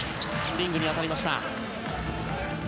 リングに当たりました。